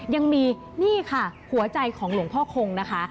ยังมีนี่ค่ะหัวใจของหลวงพ่อคงนะคะ